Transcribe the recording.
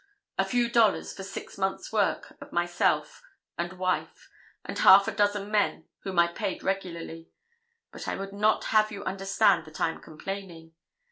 A few dollars for six months work of myself and wife, and half a dozen men whom I paid regularly. But I would not have you understand that I am complaining.